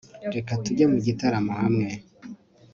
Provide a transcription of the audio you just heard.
reka tujye mu gitaramo hamwe